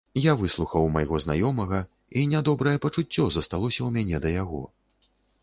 Я выслухаў майго знаёмага, і нядобрае пачуццё засталося ў мяне да яго.